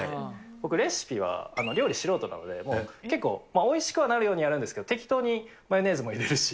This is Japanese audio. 僕、レシピは料理素人なんで、結構、おいしくはなるようにやるんですけど、適当にマヨネーズも入れるし。